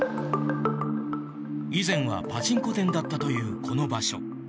以前はパチンコ店だったというこの場所。